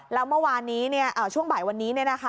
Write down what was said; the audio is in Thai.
แล้วเมื่อวานนี้ช่วงบ่ายวันนี้